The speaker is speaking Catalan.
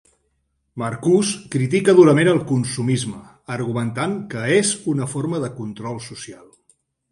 Marcuse critica durament el consumisme, argumentant que és una forma de control social.